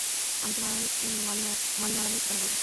আমি তোমায় মানিমারানের ঠিকানা বলবো!